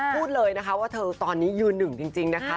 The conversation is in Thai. พูดเลยนะคะว่าเธอตอนนี้ยืนหนึ่งจริงนะคะ